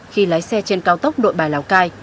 khi lái xe trên cao tốc nội bài lào cai